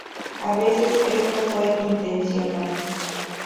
A veces esto fue intencional.